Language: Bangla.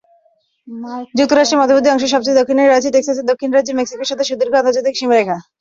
যুক্তরাষ্ট্রের মধ্যবর্তী অংশের সবচেয়ে দক্ষিণের রাজ্য টেক্সাসের দক্ষিণে রয়েছে মেক্সিকোর সাথে সুদীর্ঘ আন্তর্জাতিক সীমারেখা।